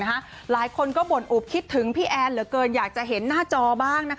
หลายคนนึงบลอุบว่าคิดถึงพี่แอ้นอยากจะเห็นหน้าจอบ้าง